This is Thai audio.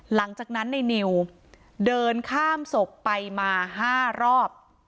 หลังจากนั้นในนิวเดินข้ามศพไปมา๕รอบ